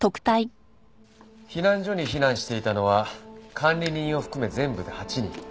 避難所に避難していたのは管理人を含め全部で８人。